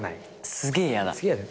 すげえ嫌だ。